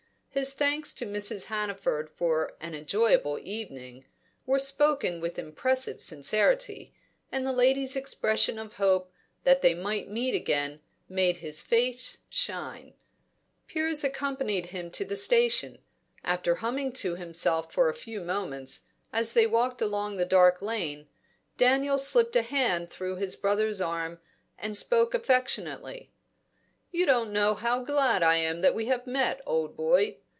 His thanks to Mrs. Hannaford for an "enjoyable evening" were spoken with impressive sincerity, and the lady's expression of hope that they might meet again made his face shine. Piers accompanied him to the station. After humming to himself for a few moments, as they walked along the dark lane, Daniel slipped a hand through his brother's arm and spoke affectionately. "You don't know how glad I am that we have met, old boy!